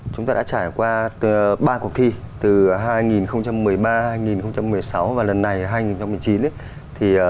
chúng ta đã trải qua ba cuộc thi từ hai nghìn một mươi ba hai nghìn một mươi sáu và lần này hai nghìn một mươi chín